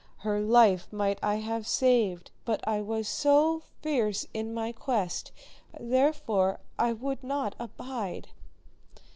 her life might I have saved; but I was so fierce in my quest, therefore I would not abide.